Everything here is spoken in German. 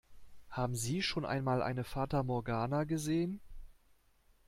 Haben Sie schon einmal eine Fata Morgana gesehen?